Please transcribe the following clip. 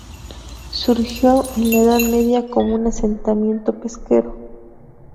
Surgió en la Edad Media como un asentamiento pesquero.